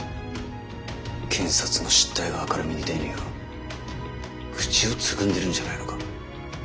検察の失態が明るみに出ぬよう口をつぐんでるんじゃないのか。